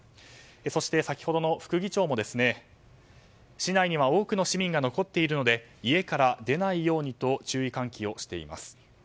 そして、先ほどの副議長も市内には多くの市民が残っているので家から出ないようにと注意喚起しています。